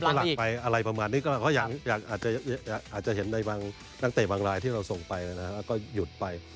หลักไปอะไรประมาณนี้ก็อาจจะเห็นในบางนักเตะบางรายที่เราส่งไปแล้วก็หยุดไป